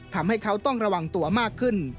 ทำให้เขาต้องระวังตัวมากขึ้น